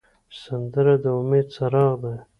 سندره د امید څراغ دی